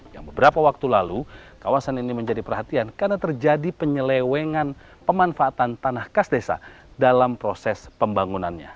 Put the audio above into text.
yang beberapa waktu lalu kawasan ini menjadi perhatian karena terjadi penyelewengan pemanfaatan tanah kas desa dalam proses pembangunannya